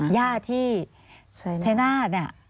ญาติที่ชัยนาธเนี่ย